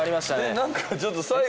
何かちょっと。